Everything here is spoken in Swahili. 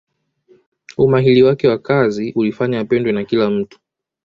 umahili wake wa kazi ulifanya apendwe na kila mtu